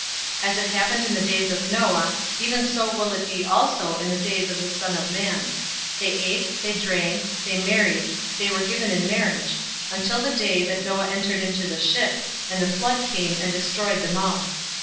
017:026 As it happened in the days of Noah, even so will it be also in the days of the Son of Man. 017:027 They ate, they drank, they married, they were given in marriage, until the day that Noah entered into the ark, and the flood came, and destroyed them all.